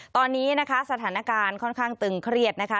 ตอนนี้นะคะสถานการณ์ค่อนข้างตึงเครียดนะคะ